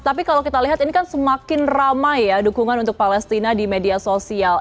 tapi kalau kita lihat ini kan semakin ramai ya dukungan untuk palestina di media sosial